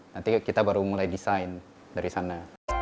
nanti kita baru mulai desain dari sana